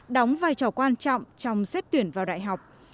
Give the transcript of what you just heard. đóng vai trò quan trọng trong xét tuyển vào đại học